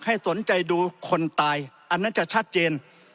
ให้สนใจดูคนตายอันนั้นจะชัดเจน